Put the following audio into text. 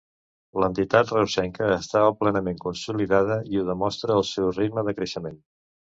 L'entitat reusenca estava plenament consolidada i ho demostra el seu ritme de creixement.